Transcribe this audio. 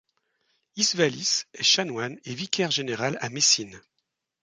Isvalies est chanoine et vicaire général à Messine.